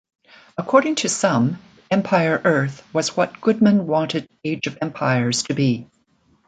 According to some, "Empire Earth" was what Goodman wanted "Age of Empires" to be.